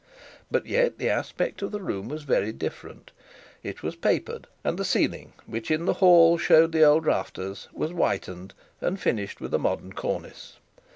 But yet the aspect of the room was very different. It was papered, and the ceiling, which in the hall showed the old rafters, was whitened and finished with a modern cornice.